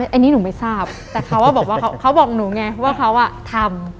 อันนี้หนูไม่ทราบแต่เขาบอกหนูไงว่าเขาว่าทำ